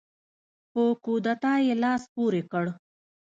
په کودتا یې لاس پورې کړ.